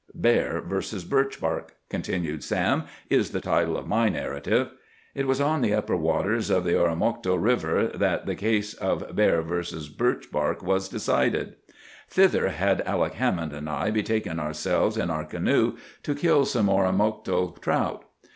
"BEAR VS. BIRCH BARK," continued Sam, "is the title of my narrative. It was on the upper waters of the Oromocto River that the case of Bear vs. Birch bark was decided. Thither had Alec Hammond and I betaken ourselves in our canoe to kill some Oromocto trout.